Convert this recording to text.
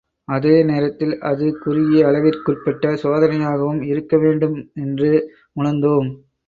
அதே நேரத்தில் அது குறுகிய அளவிற்குட்பட்ட சோதனையாகவும் இருக்கவேண்டும் என்று உணர்ந்தோம்.